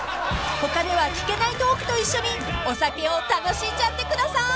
［他では聞けないトークと一緒にお酒を楽しんじゃってください！］